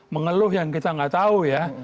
mengeluh yang kita nggak tahu ya